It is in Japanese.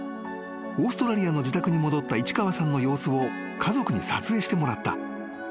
［オーストラリアの自宅に戻った市川さんの様子を家族に撮影してもらった］